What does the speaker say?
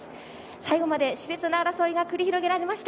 最後までしれつな争いが繰り広げられました。